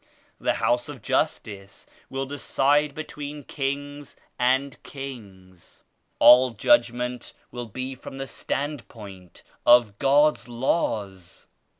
The House of Justice will decide between kings and kings. All judgment will be from the standpoint of God's Laws.